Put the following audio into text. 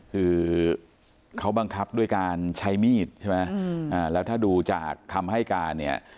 คือเขาบังคับด้วยการใช้มีดใช่ไหมแล้วถ้าดูจากคำให้การเนี่ย